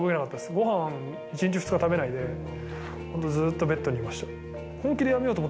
ごはん、１日、２日食べないで、本当、ずっとベッドにいました。